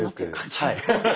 はい。